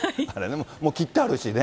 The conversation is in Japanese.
もう切ってあるしね。